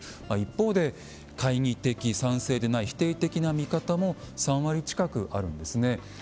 まあ一方で懐疑的賛成でない否定的な見方も３割近くあるんですね。